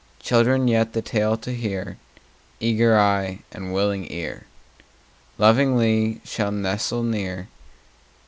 Children yet, the tale to hear, Eager eye and willing ear, Lovingly shall nestle near.